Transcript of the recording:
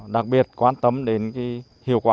đặc biệt quan tâm đến hiệu quả